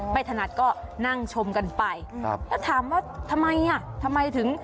ถนัดก็นั่งชมกันไปแล้วถามว่าทำไมอ่ะทำไมถึง